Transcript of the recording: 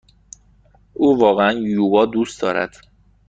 او واقعا یوگا دوست دارد.